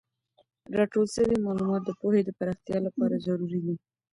راټول سوی معلومات د پوهې د پراختیا لپاره ضروري دي.